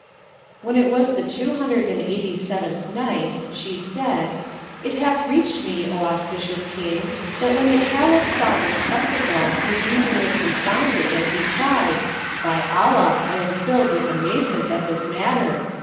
When it was the Two Hundred and Eighty seventh Night, She said, It hath reached me, O auspicious King, that when the Caliph saw this spectacle his reason was confounded and he cried, "By Allah, I am filled with amazement at this matter!"